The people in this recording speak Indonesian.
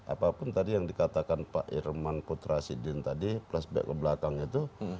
apapun tadi yang dikatakan pak irman putra sidin tadi flashback ke belakang itu